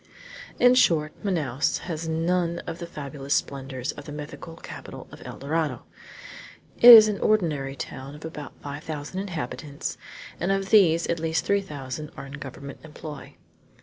In short, Manaos has none of the fabulous splendors of the mythical capital of El Dorado. It is an ordinary town of about five thousand inhabitants, and of these at least three thousand are in government employ.